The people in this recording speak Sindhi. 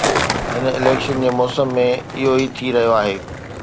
هن اليڪشن جي موسم ۾ اهو ئي ٿي رهيو آهي.